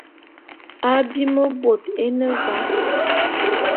Abim bôt é ne va.